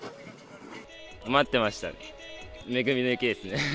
待ってましたね。